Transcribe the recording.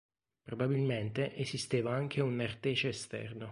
Probabilmente esisteva anche un nartece esterno.